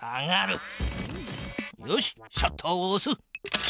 よしシャッターをおす。